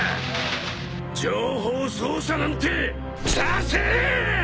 情報操作なんてさせねえ！